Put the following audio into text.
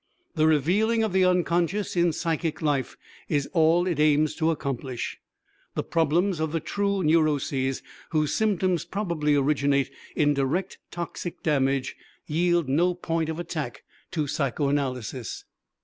The revealing of the unconscious in psychic life is all it aims to accomplish. The problems of the true neuroses, whose symptoms probably originate in direct toxic damage, yield no point of attack to psychoanalysis.